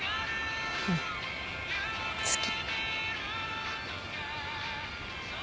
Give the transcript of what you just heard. うん好き。